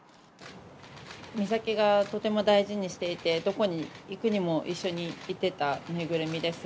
美咲がとても大事にしていて、どこに行くにも一緒に行ってた縫いぐるみです。